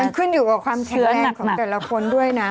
ขึ้นอยู่กับความเชื่อของแต่ละคนด้วยนะ